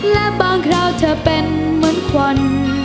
และบางคราวเธอเป็นเหมือนควัน